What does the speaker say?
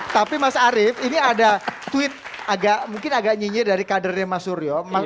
tapi mas arief ini ada tweet agak mungkin agak nyinyir dari kadernya mas suryo